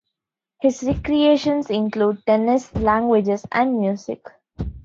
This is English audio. His recreations include tennis, languages, and music.